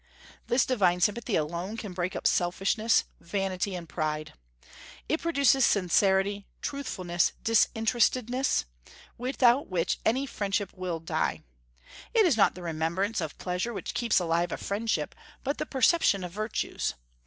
This divine sympathy alone can break up selfishness, vanity, and pride. It produces sincerity, truthfulness, disinterestedness, without which any friendship will die. It is not the remembrance of pleasure which keeps alive a friendship, but the perception of virtues.